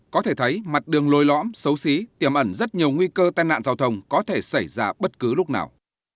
có thể thấy mặt đường lôi lõm xấu xí tiềm ẩn rất nhiều nguy cơ tai nạn giao thông có thể xảy ra bất cứ lúc nào